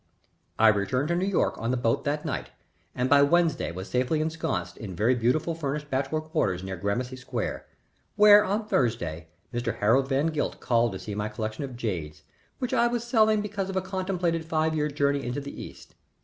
I returned to New York on the boat that night, and by Wednesday was safely ensconced in very beautifully furnished bachelor quarters near Gramercy Square, where on Thursday Mr. Harold Van Gilt called to see my collection of jades which I was selling because of a contemplated five year journey into the East.